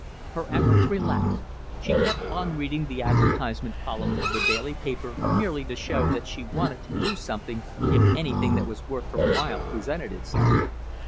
Her efforts relaxed; she kept on reading the advertisement columns of the daily paper merely to show that she wanted to do something if anything that was worth her while presented itself.